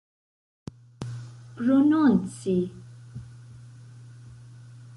prononci